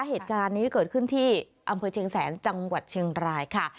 เหตุการณ์นี้เกิดขึ้นที่อำเภอเชียงแสนจังหวัดเชียงรายค่ะ